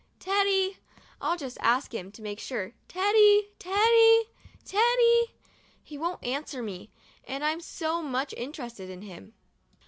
Teddy! I'll just ask him, to make sure! Teddy! Teddy! Teddy! He won't answer me — and I'm so much interested in him.